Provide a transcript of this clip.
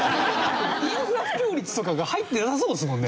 インフラ普及率とかが入ってなさそうですもんね。